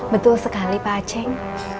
betul sekali pak aceng